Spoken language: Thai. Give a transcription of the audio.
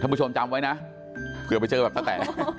ถ้าผู้ชมจำไว้นะเกือบไปเจอแบบตะแต๋